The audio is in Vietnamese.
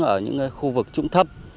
ở những khu vực trụng thấp